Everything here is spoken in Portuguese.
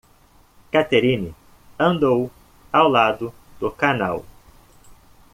Catherine andou ao lado do canal.